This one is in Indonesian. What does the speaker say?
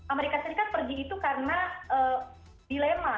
amerika serikat pergi itu karena dilema